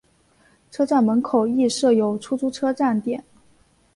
车站门口亦设有出租车站点。